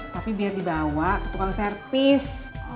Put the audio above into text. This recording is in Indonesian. tapi biar dibawa untuk kalau servis